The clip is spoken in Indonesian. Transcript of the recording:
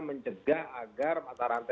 mencegah agar mata ranta